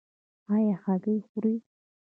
ایا هګۍ خورئ؟